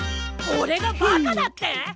おれがバカだって！？